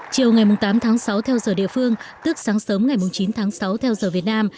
chiều ngày tám tháng sáu theo giờ địa phương tức sáng sớm ngày chín tháng sáu theo giờ việt nam